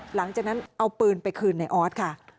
หลังจากนั้นเอาปืนไปคืนในออสค่ะ